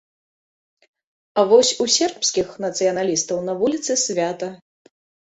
А вось у сербскіх нацыяналістаў на вуліцы свята.